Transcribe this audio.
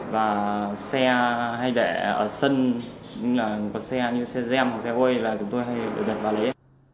và xe hay để ở sân những xe như xe gem hoặc xe hôi là chúng tôi hay đột nhập và lấy